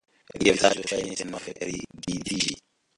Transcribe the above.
Lia vizaĝo ŝajnis denove rigidiĝi.